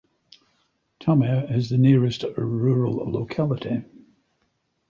Tamir is the nearest rural locality.